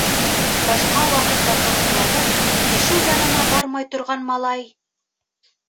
Башҡа ваҡытта ҡырыҫланып, кеше янына бармай торған малай: